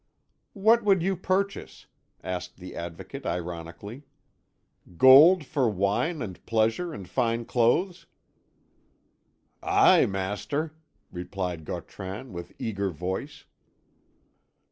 "What would you purchase?" asked the advocate ironically. "Gold, for wine, and pleasure, and fine clothes?" "Aye, master," replied Gautran with eager voice.